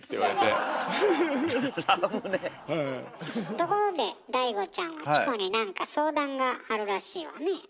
ところでチコに何か相談があるらしいわね。